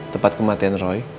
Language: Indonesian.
tempat kematian roy